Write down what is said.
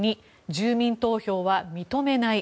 ２住民投票は認めない。